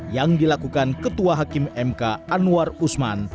yang dilakukan ketua hakim mk anwar usman